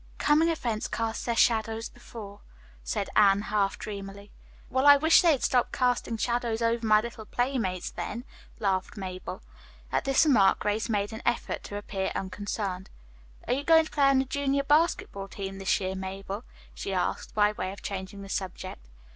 "'Coming events cast their shadows before'" said Anne half dreamily. "Well, I wish they'd stop casting shadows over my little playmates then," laughed Mabel. At this remark Grace made an effort to appear unconcerned. "Are you going to play on the junior basketball team this year, Mabel?" she asked, by way of changing the subject.